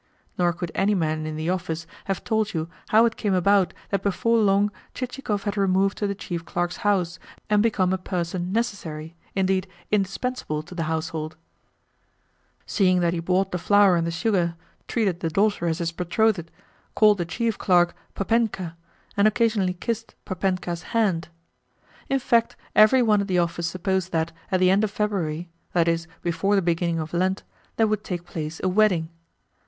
Nor could any man in the office have told you how it came about that before long Chichikov had removed to the Chief Clerk's house, and become a person necessary indeed indispensable to the household, seeing that he bought the flour and the sugar, treated the daughter as his betrothed, called the Chief Clerk "Papenka," and occasionally kissed "Papenka's" hand. In fact, every one at the office supposed that, at the end of February (i.e. before the beginning of Lent) there would take place a wedding.